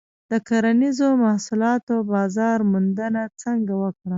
د کرنیزو محصولاتو بازار موندنه څنګه وکړم؟